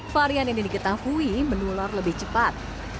varian ini diketahui menular lebih cepat